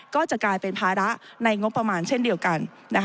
ก็จะกลายเป็นภาระในงบประมาณเช่นเดียวกัน